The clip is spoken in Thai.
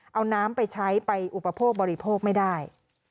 เอาน้ำไปใช้ไปอุปโภคบริโภคไม่ได้